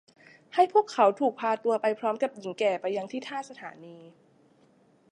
ให้พวกเขาถูกพาตัวไปพร้อมกับหญิงแก่ไปยังที่ท่าสถานี